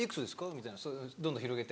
みたいなどんどん広げて。